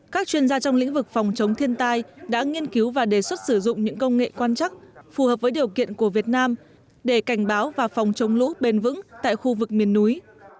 các chuyên gia trong lĩnh vực phòng chống thiên tai đã nghiên cứu và đề xuất sử dụng những công nghệ quan chắc phù hợp với điều kiện của việt nam để cảnh báo và phòng chống lũ bền vững tại khu vực miền núi